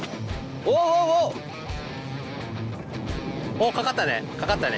おっかかったね。